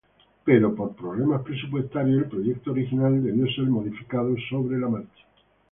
Pero por problemas presupuestarios, el proyecto original debió ser modificado sobre la marcha.